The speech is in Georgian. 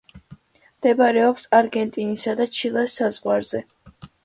მდებარეობს არგენტინისა და ჩილეს საზღვარზე.